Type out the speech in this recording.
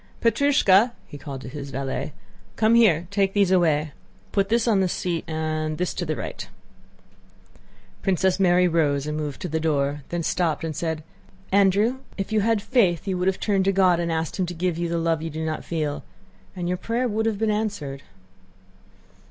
Petrúshka!" he called to his valet: "Come here, take these away. Put this on the seat and this to the right." Princess Mary rose and moved to the door, then stopped and said: "Andrew, if you had faith you would have turned to God and asked Him to give you the love you do not feel, and your prayer would have been answered."